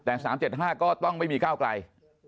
แต่๓๗๕ก็ต้องไม่มีก้าวไกล